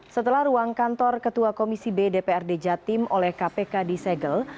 setelah ruang kantor ketua komisi b dprd jatim oleh kpk disegel